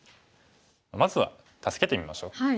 まずは助けてみましょう。